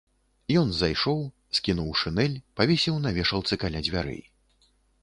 Ён зайшоў, скінуў шынель, павесіў на вешалцы каля дзвярэй.